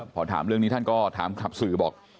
พอถามเรื่องนี้ท่านก็ถามกลับสื่อบอก